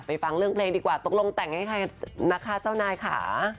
ฟังเรื่องเพลงดีกว่าตกลงแต่งให้ใครกันนะคะเจ้านายค่ะ